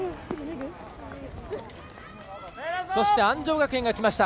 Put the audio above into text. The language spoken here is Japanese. そして安城学園がきました。